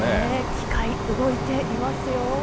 機械、動いていますよ。